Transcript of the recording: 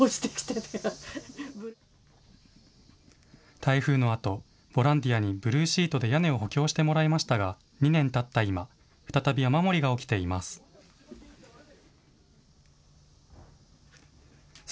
台風のあと、ボランティアにブルーシートで屋根を補強してもらいましたが２年たった今再び雨漏りが起きています。